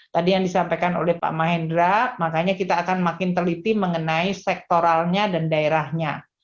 tadi yang disampaikan oleh pak mahendra makanya kita akan makin teliti mengenai sektoralnya dan daerahnya